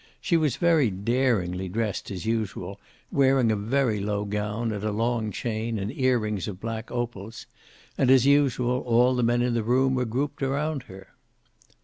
She was very daringly dressed, as usual, wearing a very low gown and a long chain and ear rings of black opals, and as usual all the men in the room were grouped around her.